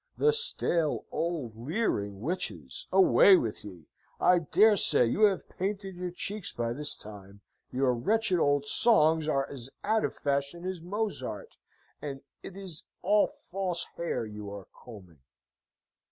The stale, old, leering witches! Away with ye! I dare say you have painted your cheeks by this time; your wretched old songs are as out of fashion as Mozart, and it is all false hair you are combing!